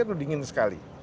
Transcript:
atau dingin sekali